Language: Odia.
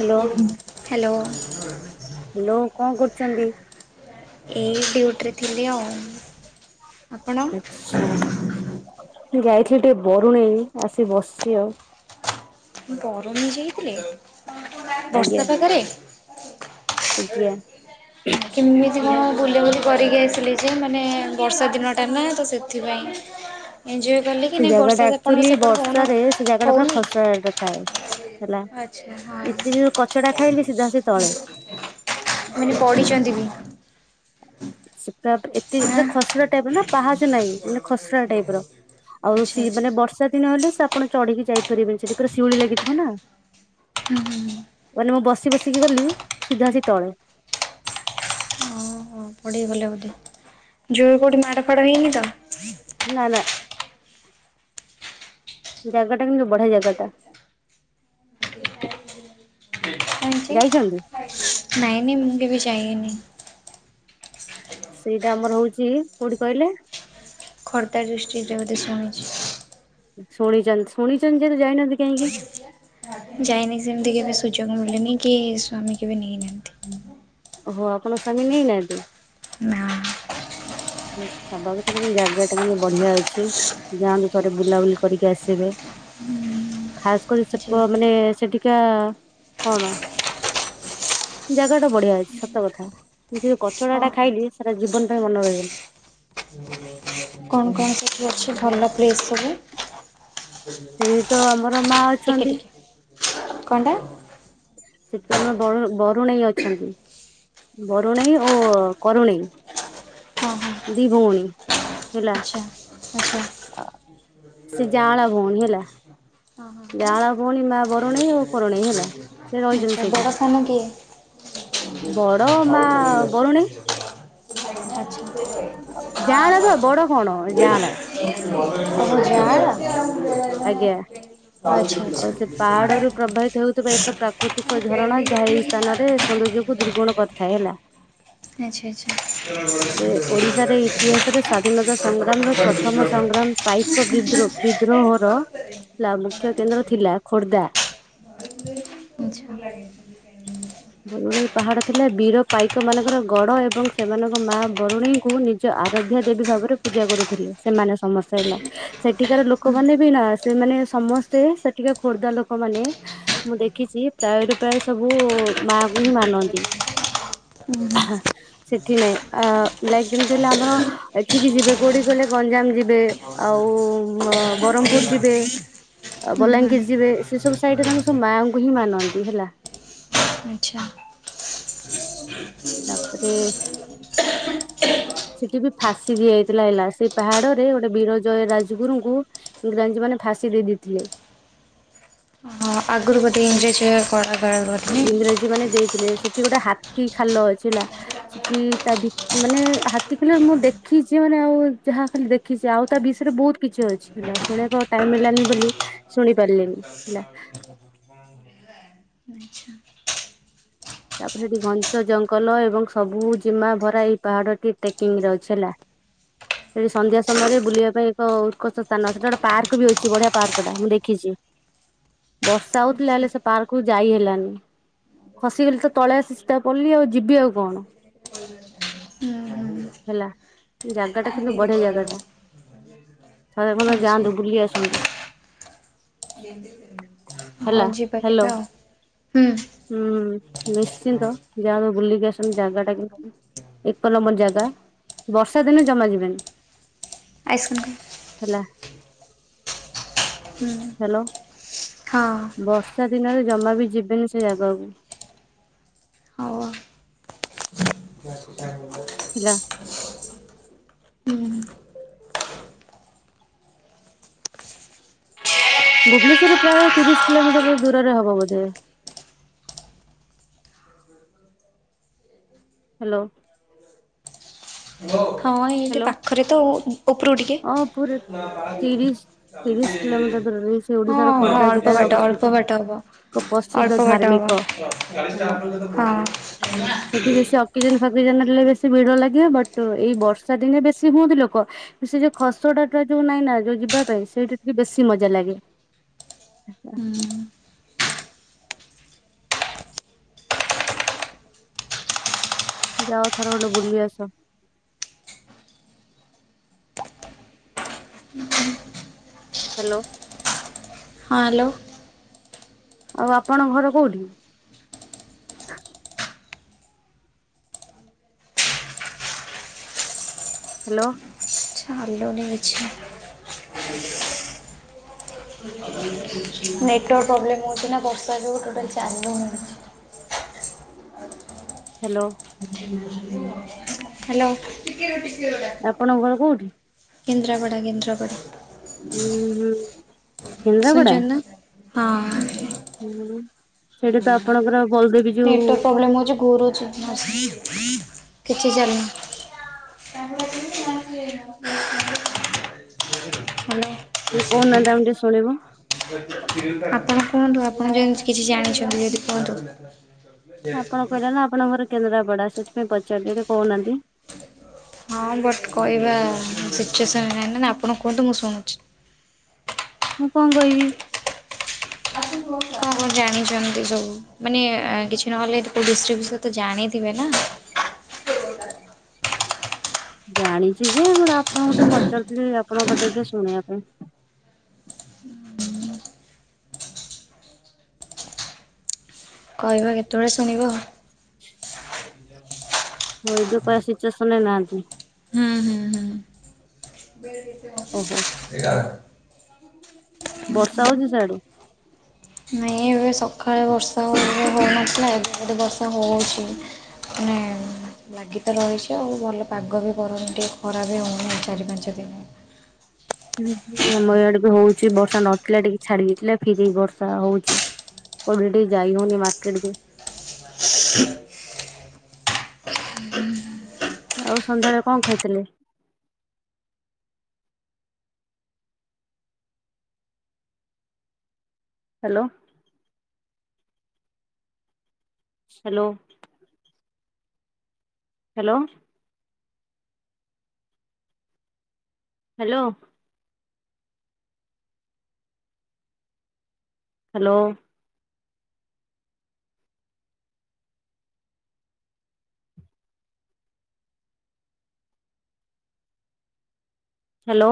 ହ୍ୟାଲୋ ହ୍ୟାଲୋ ହ୍ୟାଲୋ କଣ କରୁଛନ୍ତି? ଏଇ ଡୁୟୁଟିରେ ଥିଲି ଆଉ ଆପଣ ମୁଁ ଯାଇଥିଲି ଟିକେ ବରୁଣେଇ ଆସିକି ବସିଛି ଆଉ ବରୁଣେଇ ଯାଇଥିଲେ ବର୍ଷା ପାଗରେ ଆଜ୍ଞ। କେମିତି କଣ ବୁଲାବୁଲି କରିକି ଆସିଲି ଯେ ମାନେ ବର୍ଷା ଦିନଟା ନା ତ ସେଥିପାଇଁ ଏଞ୍ଜୟ କଲେ କି ସେ ନାଇଁ ଜାଗା ବର୍ଷା ଟା ଆପଣଙ୍କ ଆକଚୁଆଲି ସେପଟେ ହଉନ ବର୍ଷାରେ ସେ ଜାଗା ଟା ପୁରା ଖସଡ଼ାଟା ଥାଏ। ହେଲା। ଆଛା ଏତେ ଯୋଉ କଚଡା ହଁ। ଖାଇଲି ସିଧା ସେ ତଳେ। ମୁଁ କହିନି ପଢ଼ିଛନ୍ତି ବି। ସେ ପୁରା ଏତେ ଆଁ ପୁରା ଖସରା ଟାଇପ ର ନା ପାହାଚ ନାହିଁ ମାନେ ଖସଡ଼ା ଟାଇପ ର। ଆଉ ଆଚ୍ଛା ସିଏ ଆଚ୍ଛା। ମାନେ ବର୍ଷା ଦିନ ହେଲେ ସାପ ଆପଣ ଚଢିକି ଯାଇପାରିବେ ସେଠି ପୁରା ଶିଉଳି ଲାଗିଥିବ ନା। ହୁଁଁ। କାଲି ମାନେ ମୁଁ ବସି ବସିକି ଗଲି ସିଧା ଆସିକି ତଳେ। ଓ ହୋ ପଡ଼ିଗଲେ ବୋଧେ ଜୋରେ କୋଉଠି ମାଡ଼ ଫାଡ ହେଇନି ତ? ନା ନା। ଜାଗା ଟା କିନ୍ତୁ ବଢିଆ ଜାଗା ଟା। ଯାଇଛନ୍ତି? ନାଇଁ ନାଇଁ ମୁଁ କେବେ ବି ଜାଇନି। ସେଇଟା ଆମର ହୋଉଚି କୋଉଠି କହିଲେ। ଖର୍ଦ୍ଧା ଡିଷ୍ଟିକ୍‌ରେ ବୋଧେ ଶୁଣିଚି। ଶୁଣିଚନ୍ତି ଶୁଣିଚନ୍ତି ଯଦି ଯାଇନାହାନ୍ତି କାହିଁକି? ଯାଇନି ସେମିତି କେବେ ସୁଯୋଗ ମିଳିନି କି ସ୍ଵାମୀ କେବେ ନେଇନାହାନ୍ତି। ଓହୋ ଆପଣ ସାମୀ ନେଇନାହାନ୍ତି? ନାଁ। ସବାଗତରେ ବି ଜାଗା ଟା ବୋହୁତ ବଢିଆ ଅଛି ଯାଆନ୍ତୁ ଥରେ ବୁଲାବୁଲି କରିକି ଆସିବେ। ଖାସ କରି ସେ ଜି ମାନେ ସେଠି କଣ ଜାଗା ଟା ବଢିଆ ଅଛି ସତ କଥା। ମୁଁ ଜୋଉ ହଁ କଚଡ଼ା ଟା ଖାଇଲି ସେଟା ଜୀବନ ପାଇଁ ମନେ ରହିଗଲା। [unintelligible] କଣ କଣ ସେଠି ଅଛି ଭଲ ପ୍ଲେସ୍ ସବୁ? ସେଠି ତ ଆମର ମା ଟିକେ ଅଛନ୍ତି। ଟିକେ କଣ ଟା? ସେଠି ଆମର ବରୁ ବରୁଣେଇ ଅଛନ୍ତି। ବରୁଣେଇ ଓ କରୁଣେଇ ଦିଇ ଭଉଣୀ। ହେଲା। ଆଛା ଆଛା। ସେ ଜାଆଁଳା ଭଉଣୀ ମା ବରୁଣେଇ ଆଉ କରୁଣେଇ ହେଲା। ସେ ରହିଛନ୍ତି ଆଛା ସେଇଠି ବଡ଼ ସାନ କିଏ? ଆଛା। ବଡ ତମ ମା ବରୁଣେଇ ଯାଆଁଳା ବା ବଡ କଣ ଯାଆଁଳା ଯା ହବ? ଆଜ୍ଞା। ଆଚ୍ଛା। ଆଉ ସେ ପାହାଡରୁୁ ପ୍ରଭାହିତ ହେଉଥିବା ଏକ ପ୍ରାକୃତିକ ଝରଣା ଯାହା ଏଇ ସ୍ଥାନରେ ସୌନ୍ଦର୍ଯ୍ୟକୁ ଦୁଇର୍ଗୁଣ କରିଥାଏ ହେଲା। ଆଚ୍ଛା ଆଚ୍ଛା। ଆଚ୍ଛା ହୁଁ ହୁଁ ତାପରେ ହୁଁ ଓଡିଶାରେ ଇତିହାସରେ ସ୍ଵାଧୀନତା ସଂଗ୍ରାମ ର ପ୍ରଥମ ହୁଁ ସଂଗ୍ରାମ ପାଇକ ବିଦ୍ରୋହ ବିଦ୍ରୋହର ମୁଖ୍ୟ କେନ୍ଦ୍ର ଥିଲା ଖୋର୍ଦ୍ଧା। ଆଛା। ବରୁଣେଇ ପାହାଡ ଥିଲା ବୀର ପାଇକ ମାନଙ୍କର ଗଡ ଏବଂ ସେମାନଙ୍କ ମା ବରୁଣେଇଙ୍କୁ ନିଜ ଯୋଉ ଆରାଧ୍ୟା ଦେବୀ ଭାବରେ ପୂଜା କରୁଥିଲେ ସେମାନେ ସମସ୍ତେ ହେଲା ସେଠିକାର ଲୋକମାନେ ବି ନା ସେମାନେ ସମସ୍ତେ ସେଠିକା ଖୋର୍ଦ୍ଧା ଲୋକମାନେ ମୁଁ ଦେଖିଚି ପ୍ରାୟରୁ ପ୍ରାୟ ସବୁ ମା କୁ ହିଁ ମାନନ୍ତି। ହୁଁ ହୁଁ। ସେଠି ନାଇଁ। ଆ ଲାଇକ୍ ଯେମିତି ହେଲେ ଆମର ଏଠିକି ଯିବେ କୋଉଠି କହିଲେ ଗଞ୍ଜାମ ଯିବେ ଆଉ ବ ବରମପୁର୍ ଯିବେ। ଆଉ ବଲାଙ୍ଗୀର ଯିବେ ସେ ସବୁ ସାଇଡରେ ତାଙ୍କ ସବୁ ମାଆଙ୍କୁ ହିଁ ମାନନ୍ତି ହେଲା। ଆଚ୍ଛା। [inaudible] ତାପରେ ସେଠି ବି ଫାଶୀ ଦିଆଯାଇଥିଲା ହେଲା ସେଇ ପାହାଡରେ ଗୋଟେ ବୀରଜୟ ରାଜଗୁରୁଙ୍କୁ ଇଂରାଜୀମାନେ ଫାଶୀ ଦେଇ ଦେଇଥିଲେ। ହଁ ଆଗରୁ ବୋଧେ ଇଂରେଜ କରାଗାର ବୋଧେ। ଜି ମାନେ ଦେଇଥିଲେ। ସେଠି ଗୋଟେ ହାତୀ ଖାଲ ଅଛି ଲା। [unintelligible] ତା ଧି ମାନେ ହାତୀ ଖଲେ ମୁଁ ଦେଖିଚି ମାନେ ଆଉ ଯାହା ଖାଲି ଦେ ଖିଛି ଆଉ ତା ବିଷୟରେ ବହୁତ କିଛି ଅଛି ହେଲା ଶୁଣିବାକୁ ଆଉ ଟାଇମ୍ ଆଚ୍ଛା ମିଳିଲାନି ବୋଲି ଶୁଣି ପାରିଲିନି ହେଲା। ଆଚ୍ଛା। ତାପରେ [unintelligible] ଘଞ୍ଚ ଜଙ୍ଗଲ ଏବଂ ସବୁ ଜିମା ଭରା ଏଇ ପାହାଡଟି ଟେକିଂରେ ଅଛି ହେଲା। [unintelligible] ସନ୍ଧ୍ୟା ସମୟରେ ବୁଲିବା ପାଇଁ ଏକ ଉତ୍କଷ୍ଟ ସ୍ଥାନ ସେଇଟା ଗୋଟେ ପାର୍କ ବି ଅଛି ବଢିଆ ପାର୍କଟା ମୁଁ ଦେଖିଛି। ବର୍ଷା ହଉଥିଲା ଆଚ୍ଛା ହେଲେ ସେ ପାର୍କକୁ ଯାଇ ହେଲାନି। ସିଏ [unintelligible] ତଳେ ଆସି ସିତା ପଡିଲି ଆଉ ଯିବି ଆଉ କଣ। ହୁଁ ହୁଁ ହେଲା ଜାଗାଟା କିନ୍ତୁ ବଢିଆ ଜାଗାଟା। ଥରେ [unintelligible] ଆଚ୍ଛା ଯାଆନ୍ତୁ ବୁଲି ଆସନ୍ତୁ। ହଉ ହେଲା ଯିବା ହ୍ୟାଲୋ। କେବେ ଆଉ ହୁଁ ହୁଁ ନିଶ୍ଚିନ୍ତ ଯାହାବୁ ବୁଲିକି ଆସନ୍ତୁ ଜାଗାଟା କିନ୍ତୁ ଉଁ ଏକ ନମ୍ବର ଜାଗା ବର୍ଷା ଦିନେ ଜମା ଯିବେନି। ଆଇସ୍କ୍ରିମ୍। ହେଲା ହୁଁ ହ୍ୟାଲୋ। ହଁ! ବର୍ଷା ଦିନରେ ଜମା ବି ଯିବେନି ସେ ଜାଗାକୁ। ହଉ ଆଉ। [unintelligible] ହେଲା। ଭୁବନେଶ୍ୱରରୁ ପ୍ରାୟ ତିରିଶ୍ କିଲୋମିଟର ଦୂରରେ ହବ ବୋଧେ। ହ୍ୟାଲୋ। ହଁ ଏଇଠି ହ୍ୟାଲୋ। ପାଖରେ ତ ଉ ଉପରକୁ ଟିକେ। ହଁ ହଁ ଅଳ୍ପ ତିରିଶ ତିରିଶ କିଲୋମିଟର ଦୂରରେ ସେ ଓଡିଶାର ଖୋର୍ଦ୍ଧା ଜିଲ୍ଲାରେ ବାଟ ଅବସ୍ଥିତ। ଅଳ୍ପ ବାଟ ହବ। ପ୍ରସିଦ୍ଧ ଅଳ୍ପ ବାଟ ଧାର୍ମିକ ହେଲା। ହବ ହଁ। ଜ [unintelligible] ଫାକଜଲେ ବେଶୀ ଭିଡ ଲାଗିବ ବଟ ଏଇ ବର୍ଷା ଦିନେ ବେଶୀ ହୁଅନ୍ତି ଲୋକ। ସେ ଯୋଉ ଖସଡାଟା ଯୋଉ ନାଇଁ ନା ଯୋଉ ଯିବା ପାଇଁ ସେଇଟା ଟିକେ ବେଶୀ ମଜା ଲାଗେ। ହୁଁ! ଯାଅ ଥର ଖଣ୍ଡେ ବୁଲି ଆସ। [unintelligible] ହ୍ୟାଲୋ। ହଁ ହ୍ୟାଲୋ। ଆଉ ଆପଣ ଘର କେଉଠି? ହ୍ୟାଲୋ। ଦେଲୁନି କିଛି ନେଟୱାର୍କ ପ୍ରୋବ୍ଲେମ୍ ହେଉଚି ନା ବର୍ଷା ଯୋଗୁଁ ଟୋଟାଲ୍ ଚାଲୁନି। ହ୍ୟାଲୋ। ହ୍ୟାଲୋ। ଆପଣଙ୍କ ଘର କୋଉଠି? କେନ୍ଦ୍ରାପଡ଼ା କେନ୍ଦ୍ରାପଡ଼ା। ହୁଁ ହୁଁ। କେନ୍ଦ୍ରାପଡା ଶୁଣିଚନ୍ତି ନା ହଁ। ହୁଁ ସେଇଟି ତ ଆପଣଙ୍କର ବଳଦେବ ଜୀଉ ବ୍ଲେମ ହୋଉଚି ଘୁରୁଚି କିଛି ଚାଲୁନି। [inaudible] ହାଲୋ। ଟିକେ କହୁନାହାନ୍ତି ଆମେ ଟିକେ ଶୁଣିବୁ। [inaudible] ଆପଣ କୁହନ୍ତୁ ଆପଣ ଯଦି କିଛି ଜାଣିଚନ୍ତି ଯଦି କୁହନ୍ତୁ। ଆପଣ କହିଲେ ନା ଆପଣଙ୍କ ଘର କେନ୍ଦ୍ରାପଡା ସେଥିପାଇଁ ପଚାରିଲି ଏବେ କହୁନାହାନ୍ତି। ହଁ ବଟ୍ କହିବା ସିଚୁଏସନ୍ ନ ଆପଣ କୁହନ୍ତୁ ମୁଁ ଶୁଣୁଚି। ମୁଁ କଣ କହିବି? [inaudible] ଆପଣ ଜାଣିଚନ୍ତି ସବୁ, ମାନେ କିଛି ନହେଲେ କୋଉ ଡିଷ୍ଟିକ ବିଷୟରେ ତ ଜାଣିଥିବେ ନା? ଜାଣିଚି ଯେ ବଟ ଆପଣଙ୍କୁ ଟିକେ ପଚାରୁଥିଲି ଆପଣଙ୍କ ପାଟିରେ ଟିକେ ଶୁଣିବା ପାଇଁ। କହିବା କେତେବେଳେ ଶୁଣିବ ଆଉ। [inaudible] ଓ ଏବେ କହିବା ସିଚୁଏସନ୍ ରେ ନାହାନ୍ତି? ହୁଁ ହୁଁ ହୁଁ। [inaudible] ଓହୋ। [inaudible] ବର୍ଷା ହଉଚି ସିଆଡୁ? ନାଇଁ ଏବେ ସକାଳେ ବର୍ଷା ହେ ହେଉନଥିଲା ଏବେ ଏପଟେ ବର୍ଷା ହେଉଚି। ମାନେ ଲାଗି ତ ରହିଛି ଆଉ ଭଲ ପାଗ ବି କରୁନି ଟିକେ ଖରା ବି ହୋଉନି ଚାରି ପାଞ୍ଚ ଦିନ। ହୁଁଁ ଆମ ଏଆଡେ ବି ହଉଚି ବର୍ଷା ନଥିଲା ଟିକେ ଛାଡି ଯାଇଥିଲା ଫେରି ହେଇ ବର୍ଷା ହଉଚି। କୋଉଠି ଟିକେ ଯାଇ ହଉନି ମାର୍କେଟ ବି। [inaudible] ଆଉ ସନ୍ଧ୍ୟାବେଳେ କଣ ଖାଇଥିଲେ? Hello. Hello. Hello. Hello. Hello. Hello.